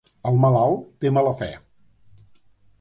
El malalt té mala fe.